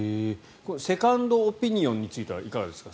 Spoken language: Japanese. セカンドオピニオンについてはいかがですか？